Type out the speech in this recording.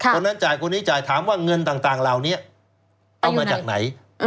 คนนั้นจ่ายคนนี้จ่ายถามว่าเงินต่างเหล่านี้เอามาจากไหน